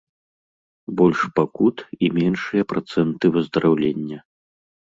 Больш пакут, і меншыя працэнты выздараўлення.